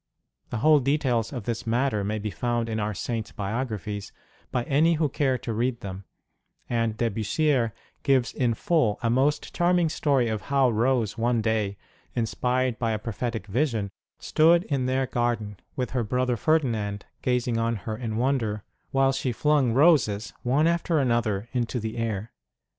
The whole details of this matter may be found in our Saint s biographies by any who care to read them ; and De Bussierre gives in full a most charming story of how Rose one day, inspired by a prophetic vision, stood in their garden, with her brother Ferdinand gazing on her in wonder, while she flung roses one after another into the air.